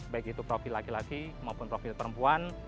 baik itu profil laki laki maupun profil perempuan